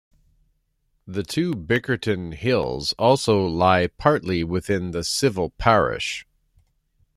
The two Bickerton Hills also lie partly within the civil parish.